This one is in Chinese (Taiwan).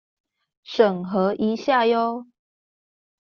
審核一下唷！